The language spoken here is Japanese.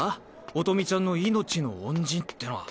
音美ちゃんの命の恩人ってのは。